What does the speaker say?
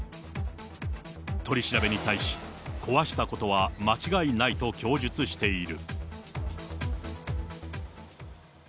取り調べに対し、壊したことは間違いないと供述している。